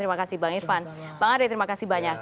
terima kasih bang irvan bang arief terima kasih banyak